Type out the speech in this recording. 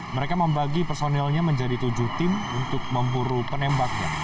mereka membagi personilnya menjadi tujuh tim untuk memburu penembaknya